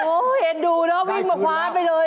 ถ้าถูกเอาปากลุ้นไปเลย